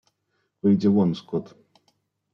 Выйди вон, скот.